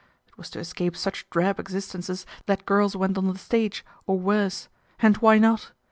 It was to escape such drab existences that girls went on the stage, or worse ; and why not